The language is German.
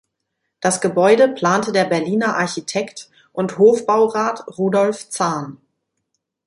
Das Gebäude plante der Berliner Architekt und Hofbaurat Rudolf Zahn.